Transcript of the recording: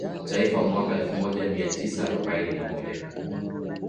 taifa Mwaka elfumoja miatisa arobaini na moja